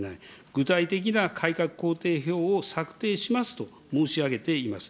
具体的な改革工程表を策定しますと申し上げています。